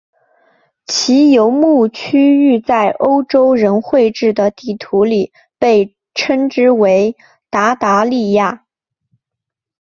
其游牧区域在欧洲人绘制的地图里称之为鞑靼利亚。